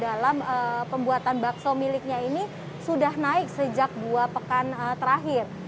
dalam pembuatan bakso miliknya ini sudah naik sejak dua pekan terakhir